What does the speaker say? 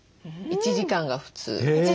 １時間が普通？